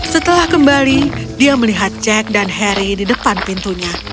setelah kembali dia melihat jack dan harry di depan pintunya